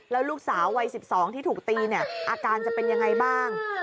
แล้วลูกสาววัย๑๒ที่ถูกตีเนี่ยอาการจะเป็นยังไงบ้าง